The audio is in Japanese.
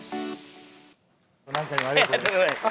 何回もありがとうございます。